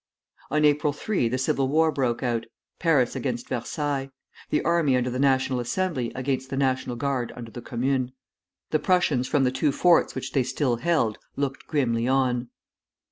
On April 3 the civil war broke out, Paris against Versailles; the army under the National Assembly against the National Guard under the Commune. The Prussians from the two forts which they still held, looked grimly on.